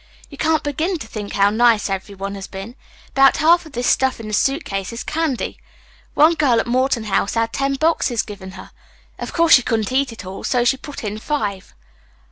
"You can't begin to think how nice every one has been. About half of this stuff in the suit case is candy. One girl at Morton House had ten boxes given her. Of course, she couldn't eat it all, so she put in five."